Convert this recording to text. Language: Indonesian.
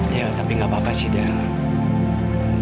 ya tapi gak apa apa sih del